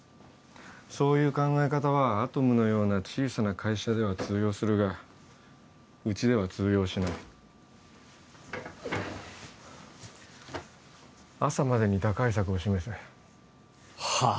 そういう考え方はアトムのような小さな会社では通用するがうちでは通用しない朝までに打開策を示せはあ？